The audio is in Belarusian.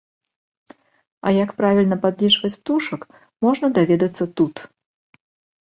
А як правільна падлічваць птушак можна даведацца тут.